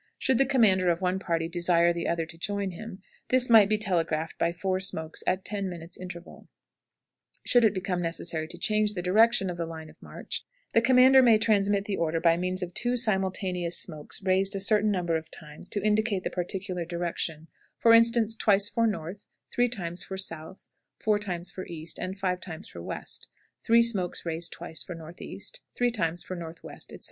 Should the commander of one party desire the other to join him, this might be telegraphed by four smokes at ten minutes' interval. Should it become necessary to change the direction of the line of march, the commander may transmit the order by means of two simultaneous smokes raised a certain number of times to indicate the particular direction; for instance, twice for north, three times for south, four times for east, and five times for west; three smokes raised twice for northeast, three times for northwest, etc.